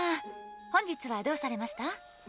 本日はどうされました？